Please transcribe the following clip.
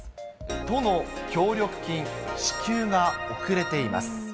都の協力金、支給が遅れています。